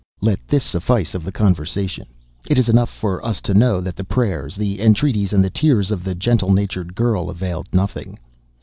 Let this suffice, of the conversation. It is enough for us to know that the prayers, the entreaties and the tears of the gentle natured girl availed nothing.